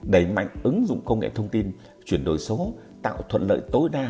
đẩy mạnh ứng dụng công nghệ thông tin chuyển đổi số tạo thuận lợi tối đa